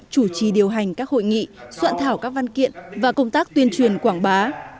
chủ trì điều hành các hội nghị soạn thảo các văn kiện và công tác tuyên truyền quảng bá